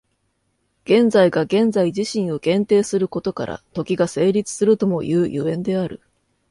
現在が現在自身を限定することから、時が成立するともいう所以である。